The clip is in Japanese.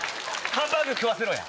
ハンバーグ食わせろや！